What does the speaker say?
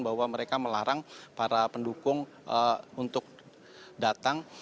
bahwa mereka melarang para pendukung untuk datang